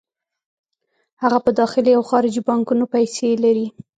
هغه په داخلي او خارجي بانکونو کې پیسې لري